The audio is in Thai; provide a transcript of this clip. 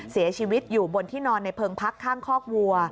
เสียชีวิตอยู่บนที่นอนในเพิงพักข้างคอกวัว